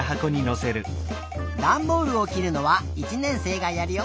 ダンボールをきるのは１年生がやるよ。